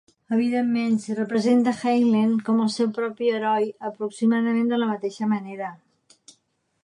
Evidentment, s'hi representa Heinlein com el seu propi heroi aproximadament de la mateixa manera.